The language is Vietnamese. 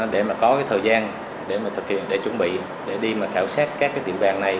để có thời gian để chuẩn bị để đi khảo sát các tiệm vàng này